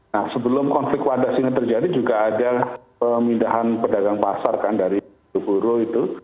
nah sebelum konflik wadas ini terjadi juga ada pemindahan pedagang pasar kan dari buruh itu